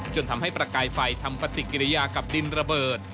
จนทำให้ประกายไฟทำปฏิกิริยากับดินระเบิด